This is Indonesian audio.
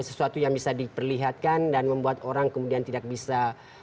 sesuatu yang bisa diperlihatkan dan membuat orang kemudian tidak bisa